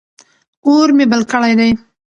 اور مې بل کړی دی.